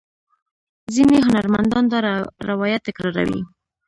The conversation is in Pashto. ځینې هنرمندان دا روایت تکراروي.